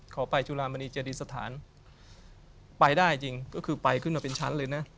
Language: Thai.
เขาไปจุลามณีเจดีสถานไปได้จริงก็คือไปขึ้นมาเป็นชั้นเลยนะ